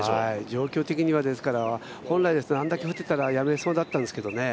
状況的には本来ですと、あれだけ降ってたらやめそうだったんですけどね